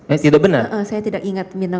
eh tidak benar saya tidak ingat